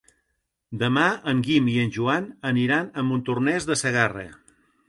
Demà en Guim i en Joan aniran a Montornès de Segarra.